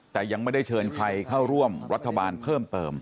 แต่ยังไม่ได้เชิญใครเข้าร่วมรัฐบาลเพิ่มเติม